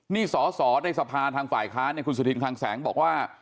นี่สอในสภาทางฝ่ายค้าคุณสุธินทางแสงบอกว่า